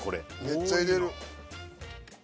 めっちゃ入れる。